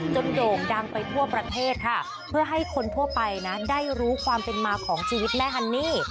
โด่งดังไปทั่วประเทศค่ะเพื่อให้คนทั่วไปนะได้รู้ความเป็นมาของชีวิตแม่ฮันนี่